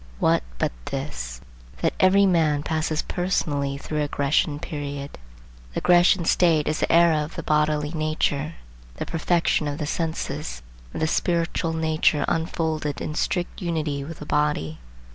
What but this, that every man passes personally through a Grecian period. The Grecian state is the era of the bodily nature, the perfection of the senses,—of the spiritual nature unfolded in strict unity with the body.